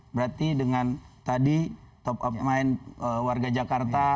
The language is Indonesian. berarti dengan tadi top up mind warga jakarta